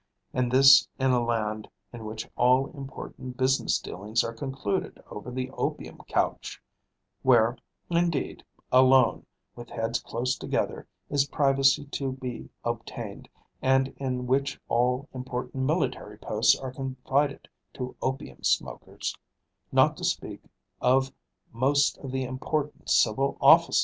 And this in a land in which all important business dealings are concluded over the opium couch, where, indeed, alone, with heads close together, is privacy to be obtained, and in which all important military posts are confided to opium smokers, not to speak of most of the important civil offices!